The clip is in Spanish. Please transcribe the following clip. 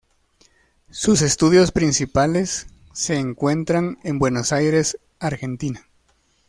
Sus estudios principales se encuentran en Buenos Aires, Argentina.